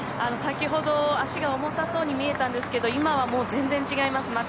先ほど足が重たそうに見えたんですけど今はもう全然違います。